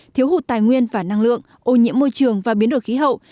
thiếu hụt tài nguyên và năng lượng ô nhiễm môi trường và biến đổi khí hậu